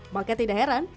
maka tidak heran